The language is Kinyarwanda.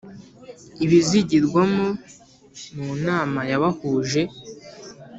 ibizigirwamo munama yabahuje